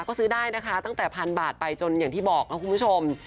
ก็ซื้อได้นะคะตั้งแต่พันบาทไปจนอย่างที่บอกนะคุณผู้ชม